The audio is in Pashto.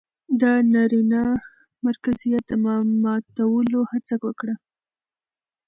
د نرينه مرکزيت د ماتولو هڅه وکړه